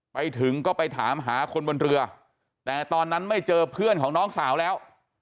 ไปถึงก็ไปถามหาคนบนเรือแต่ตอนนั้นไม่เจอเพื่อนของน้องสาวแล้ว